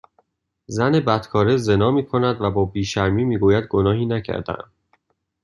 زن بدکاره زنا میکند و با بیشرمی میگوید گناهی نکردهام